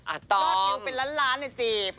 อาตอมแบบรอดนิ้วเป็นล้านในจีบ